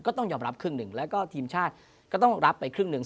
ก็ต้องยอมรับครึ่งหนึ่งแล้วก็ทีมชาติก็ต้องรับไปครึ่งหนึ่ง